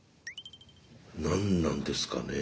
何なんですかねえ。